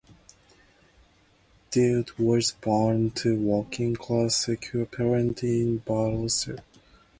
Dede was born to working-class secular parents in Bursa.